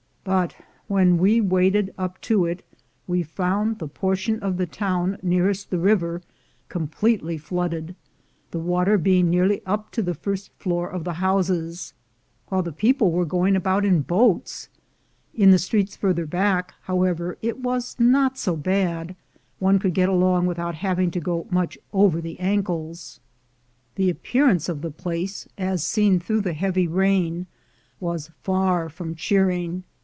But when we waded up to it, we found the portion of the town nearest the river completely flooded, the water being nearly up to the first floor of the houses, while the people were going about in boats. In the streets farther back, hov/ever, it was not so bad; one could get along v/ithout having to go much over the ankles. The appearance of the place, as seen through the heavy rain, was far from cheer ing.